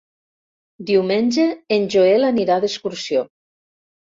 Diumenge en Joel anirà d'excursió.